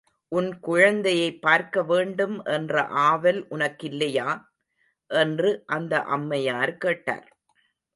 உன் குழந்தையைப் பார்க்க வேண்டும் என்ற ஆவல் உனக்கில்லையா? என்று அந்த அம்மையார் கேட்டார்.